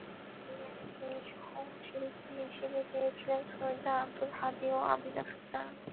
এই গানে তিনি সহশিল্পী হিসেবে পেয়েছিলেন সৈয়দ আব্দুল হাদী ও আবিদা সুলতানাকে।